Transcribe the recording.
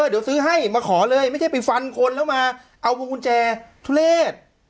เดี๋ยวซื้อให้มาขอเลยไม่ใช่ไปฟันคนแล้วมาเอาพวกกุญแจทุเลศ